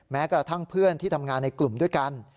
แม้กระทั่งเพื่อนที่ทำงานในกลุ่มด้วยกัน